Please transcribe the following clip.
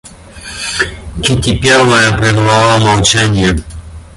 Кити первая прервала молчание.